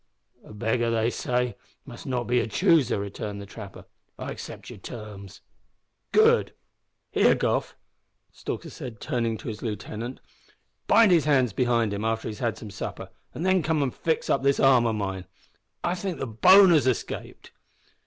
"A beggar, they say, must not be a chooser," returned the trapper. "I accept your terms." "Good. Here, Goff," said Stalker, turning to his lieutenant, "bind his hands behind him after he's had some supper, and then come an' fix up this arm o' mine. I think the bone has escaped."